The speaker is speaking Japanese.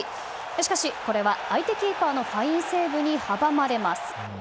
しかしこれは相手キーパーのファインセーブに阻まれます。